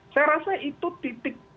saya rasa itu titik